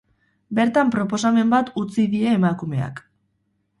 Bertan proposamen bat utzi die emakumeak.